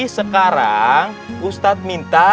sekarang ustadz minta